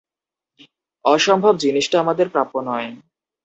অসম্ভব জিনিসটা আমাদের প্রাপ্য নয়।